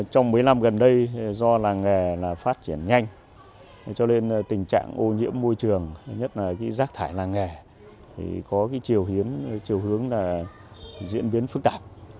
trong mấy năm gần đây do làng nghề phát triển nhanh cho nên tình trạng ô nhiễm môi trường nhất là rác thải làng nghề có chiều hướng chiều hướng là diễn biến phức tạp